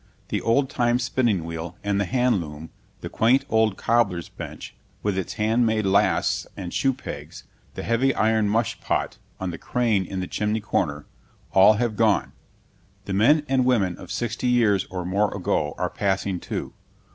The old time spinning wheel and the hand loom, the quaint old cobbler's bench with its handmade lasts and shoe pegs, the heavy iron mush pot on the crane in the chimney corner, all have gone. The men and women of sixty years or more ago are passing, too.